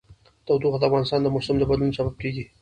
تودوخه د افغانستان د موسم د بدلون سبب کېږي.